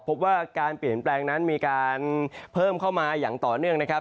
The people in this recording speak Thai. พบว่าการเปลี่ยนแปลงนั้นมีการเพิ่มเข้ามาอย่างต่อเนื่องนะครับ